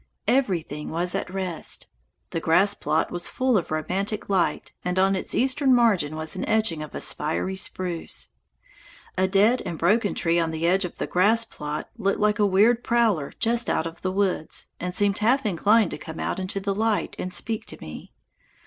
Everything was at rest. The grass plot was full of romantic light, and on its eastern margin was an etching of spiry spruce. A dead and broken tree on the edge of the grass plot looked like a weird prowler just out of the woods, and seemed half inclined to come out into the light and speak to me.